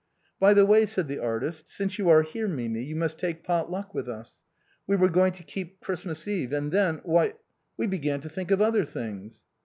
" By the way," said the artist, " since you are here, Mimi, you must take pot luck with us. We were going to keep Christmas Eve, and then — why — we began to think of other things."